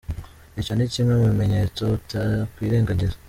Icyo ni kimwe mu bimenyetso utakwirengagiza.